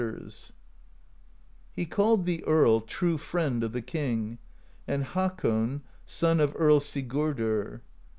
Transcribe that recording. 202 PROSE EDDA He called the Earl True Friend of the King, and Hakon, Son of Earl Sigurdr.